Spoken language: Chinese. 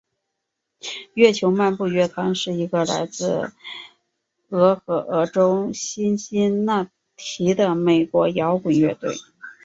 月球漫步乐团是一个来自俄亥俄州辛辛那提的美国摇滚乐队。